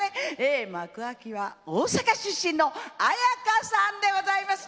幕開きは大阪出身の絢香さんでございます。